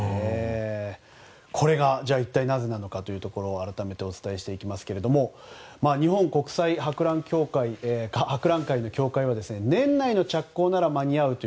これが一体なぜなのかというところを改めてお伝えしますが日本博覧会協会は年内の着工なら間に合うと。